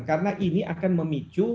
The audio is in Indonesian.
karena ini akan memicu